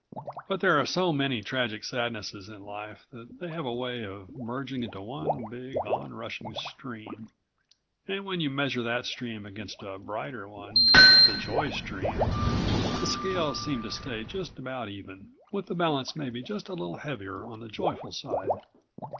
But there are so many tragic sadnesses in life that they have a way of merging into one big, onrushing stream and when you measure that stream against a brighter one, the joy stream, the scales seem to stay just about even, with the balance maybe just a little heavier on the joyful side.